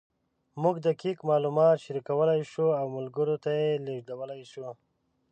موږ دقیق معلومات شریکولی شو او ملګرو ته یې لېږدولی شو.